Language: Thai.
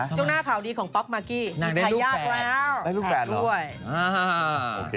ช่วงหน้าข่าวดีของป๊อกมากี้ได้ลูกแฝนแล้วได้ได้ลูกแฝนเหรอ